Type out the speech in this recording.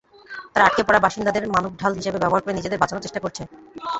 তারা আটকে পড়া বাসিন্দাদের মানবঢাল হিসেবে ব্যবহার করে নিজেদের বাঁচানোর চেষ্টা করছে।